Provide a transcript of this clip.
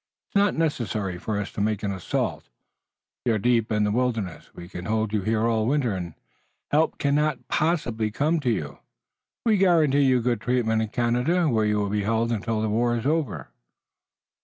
It's not necessary for us to make an assault. You're deep in the wilderness, we can hold you here all winter, and help cannot possibly come to you. We guarantee you good treatment in Canada, where you will be held until the war is over."